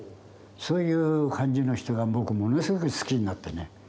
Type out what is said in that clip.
そういう感じの人が僕ものすごく好きになってね。